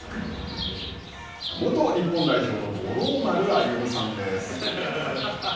元日本代表の五郎丸歩さんです。